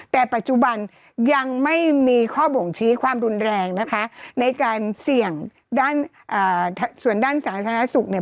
แต่ปัจจุบันยังไม่มีข้อบ่งชี้ความรุนแรงนะคะในการเสี่ยงด้านส่วนด้านสาธารณสุขเนี่ย